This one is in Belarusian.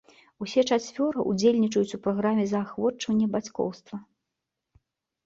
Усе чацвёра ўдзельнічаюць у праграме заахвочвання бацькоўства.